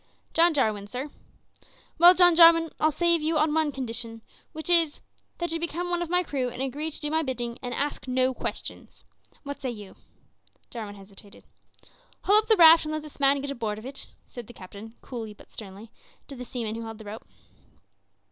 "John Jarwin, sir." "Well, John Jarwin, I'll save you on one condition, which is, that you become one of my crew, and agree to do my bidding and ask no questions. What say you?" Jarwin hesitated. "Haul up the raft and let this man get aboard of it," said the captain, coolly but sternly, to the seaman who held the rope.